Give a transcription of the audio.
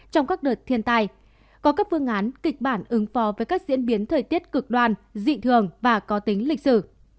trong các đợt thiên tài có các phương án kịch bản ứng phó với các diễn biến thời tiết cực đoan dị thường và có tính lịch sử